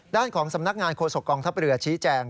ด้านของสำนักงานโฆษกองทัพเรือชี้แจง